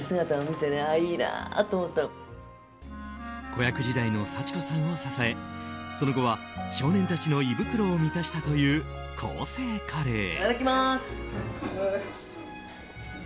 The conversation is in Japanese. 子役時代の幸子さんを支えその後は少年たちの胃袋を満たしたという更生カレー。